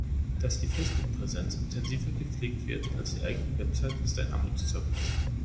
Dass die Facebook-Präsenz intensiver gepflegt wird als die eigene Website, ist ein Armutszeugnis.